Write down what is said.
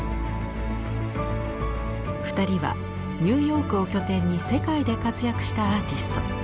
２人はニューヨークを拠点に世界で活躍したアーティスト。